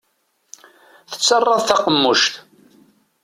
Tettarraḍ taqemmuct.